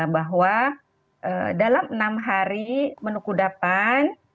bahwa dalam enam hari menu kudapan